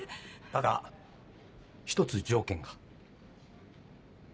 ただ１つ条件が。